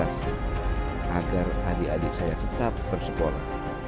hanya semata sebagai jalan pintas agar adik adik saya tetap bersekolah